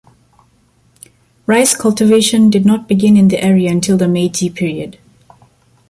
Rice cultivation did not begin in the area until the Meiji period.